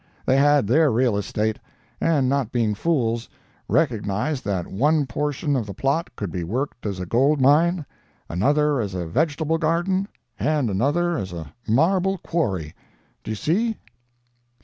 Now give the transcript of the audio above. They had their real estate, and not being fools, recognised that one portion of the plot could be worked as a gold mine, another as a vegetable garden, and another as a marble quarry. Do you see?"